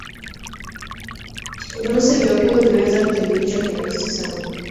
virusi vya ukimwi vinaweza kuthibitiwa kirahisi sana